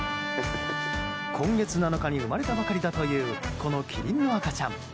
今月７日に生まれたばかりだというこのキリンの赤ちゃん。